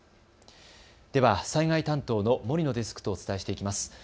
では災害担当の森野デスクとお伝えしていきます。